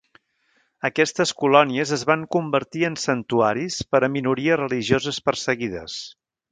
Aquestes colònies es van convertir en santuaris per a minories religioses perseguides.